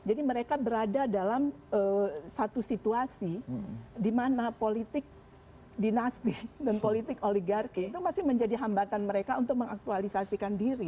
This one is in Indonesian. jadi mereka berada dalam satu situasi di mana politik dinasti dan politik oligarki itu masih menjadi hambatan mereka untuk mengaktualisasikan diri